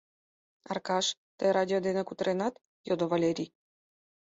— Аркаш, тый радио дене кутыренат? — йодо Валерий.